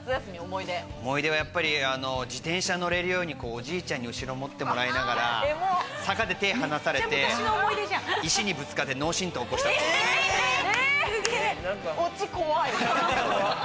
思い出はやっぱり自転車乗れるようにおじいちゃんに後ろ持ってもらいながら坂で手離されて石にぶつかって脳振とう起こしたことが。え！